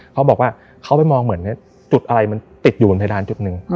เขาบอกว่าเขาไปมองเหมือนจุดอะไรมันติดอยู่บนเพดานจุดหนึ่ง